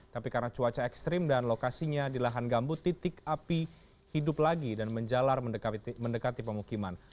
tapi karena cuaca ekstrim dan lokasinya di lahan gambut titik api hidup lagi dan menjalar mendekati pemukiman